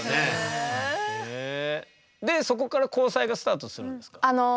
そこから交際がスタートするんですか？